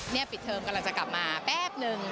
นี่ปิดเทอมกำลังจะกลับมาแป๊บนึง